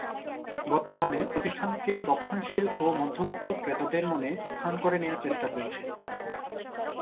বর্তমানে প্রতিষ্ঠানটি রক্ষণশীল ও মধ্যবিত্ত ক্রেতাদের মনে স্থান করে নেওয়ার চেষ্টা করছে।